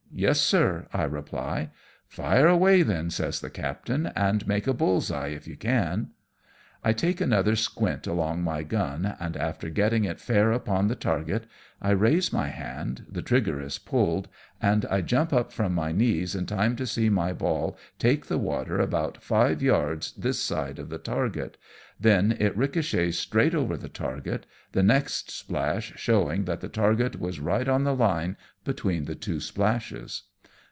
"Yes, sir,^' I reply. " Fire away, then,'^ says the captain, " and make a bull's eye if you can." I take another squint along my gun, and after getting it fair upon the target, I raise my hand, the trigger is pulled, and I jump up from my knees in time to see my ball take the water about five yards this side of the target, then it ricochets straight over the target, the next splash showing that the target was right on the line between the two splashes.